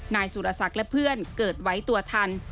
นายสุรศักดิ์และเพื่อนเกิดไว้ตัวทัน